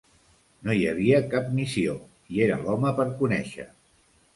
No hi havia cap missió, i era l'home per conèixer.